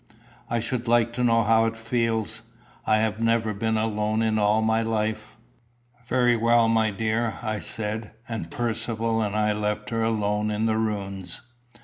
I should like to know how it feels. I have never been alone in all my life." "Very well, my dear," I said; and Percivale and I left her alone in the ruins.